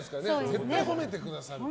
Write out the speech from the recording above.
絶対に褒めてくださる。